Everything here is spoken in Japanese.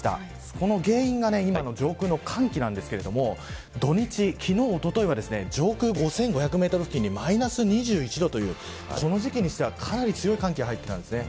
この原因が今の上空の寒気なんですけれども土日、昨日おとといは上空５５００メートル付近にマイナス２１度というこの時期にしては、かなり強い寒気が入っていたんですね。